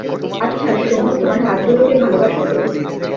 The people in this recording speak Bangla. আচ্ছা, শোনো, তোমার হাতগুলোকে ভালোবাসো তো?